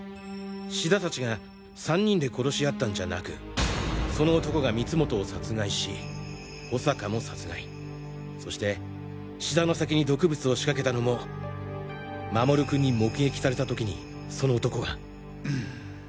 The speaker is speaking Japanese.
志田たちが３人で殺し合ったんじゃなくその男が光本を殺害し保坂も殺害そして志田の酒に毒物を仕掛けたのも守君に目撃された時にその男が。